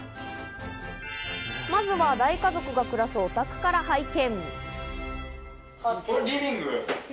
まずは大家族が暮らすお宅から拝見。